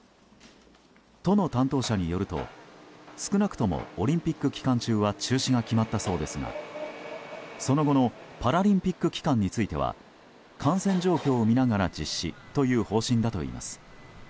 都の担当者によると少なくともオリンピック期間中は中止が決まったそうですがその後のパラリンピック期間については感染状況を見ながら実施という方針だといいます。